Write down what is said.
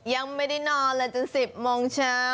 ยังไม่ได้นอนเลยจน๑๐โมงเช้า